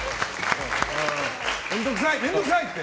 面倒くさい！って。